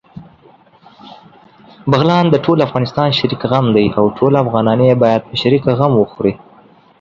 بغلان دټول افغانستان شريک غم دی، او ټول افغانان يې باېد په شريکه غم وخوري